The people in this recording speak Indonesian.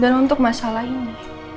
dan untuk masalah ini